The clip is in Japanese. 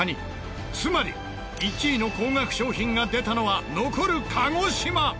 つまり１位の高額商品が出たのは残る鹿児島！